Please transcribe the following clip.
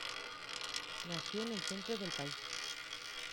Nació en el centro de país.